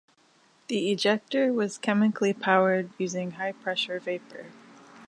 The ejector was chemically powered using high pressure vapour.